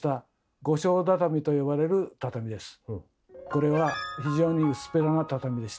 これは非常に薄っぺらな畳でした。